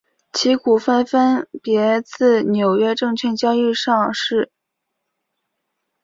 其股份分别自纽约证券交易所上市。